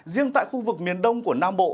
riêng tại khu vực miền đông của nam bộ